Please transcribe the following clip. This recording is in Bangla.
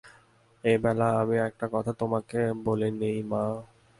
এইবেলা আমি একটা কথা তোমাকে বলে নিই মা!